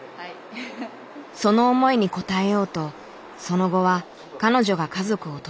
その思いに応えようとその後は彼女が家族を撮り続けてきた。